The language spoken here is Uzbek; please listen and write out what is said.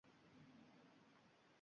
Hamma uxlar va faqat tunni